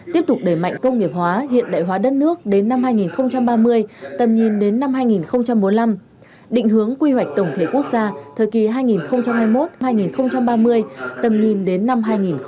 tiếp tục đẩy mạnh công nghiệp hóa hiện đại hóa đất nước đến năm hai nghìn ba mươi tầm nhìn đến năm hai nghìn bốn mươi năm định hướng quy hoạch tổng thể quốc gia thời kỳ hai nghìn hai mươi một hai nghìn ba mươi tầm nhìn đến năm hai nghìn năm mươi